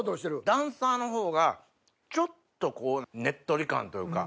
ダンサーのほうがちょっとねっとり感というか。